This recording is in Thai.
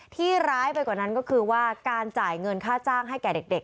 ที่ร้ายไปกว่านั้นก็คือว่าการจ่ายเงินค่าจ้างให้แก่เด็ก